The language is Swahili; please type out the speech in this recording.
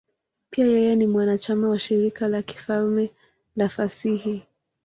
Pia yeye ni mwanachama wa Shirika la Kifalme la Fasihi.